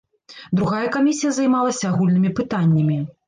Другая камісія займалася агульнымі пытаннямі.